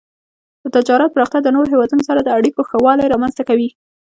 د تجارت پراختیا د نورو هیوادونو سره د اړیکو ښه والی رامنځته کوي.